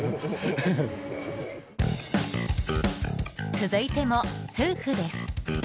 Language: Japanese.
続いても、夫婦です。